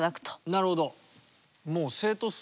なるほど。